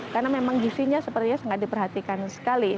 karena memang gizinya sepertinya sangat diperhatikan sekali